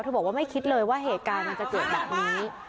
บอกว่าไม่คิดเลยว่าเหตุการณ์มันจะเกิดแบบนี้